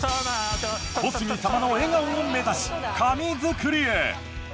小杉様の笑顔を目指し紙作りへ。